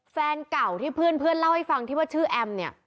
แฟนเก่าที่เพื่อนเล่าให้ฟังที่ว่าชื่อแอมเนี่ย